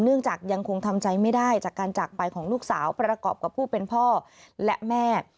จากยังคงทำใจไม่ได้จากการจากไปของลูกสาวประกอบกับผู้เป็นพ่อและแม่